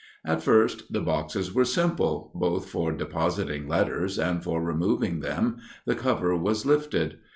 At first the boxes were simple; both for depositing letters and for removing them the cover was lifted.